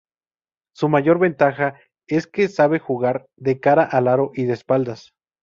Su mayor ventaja es que sabe jugar de cara al aro y de espaldas.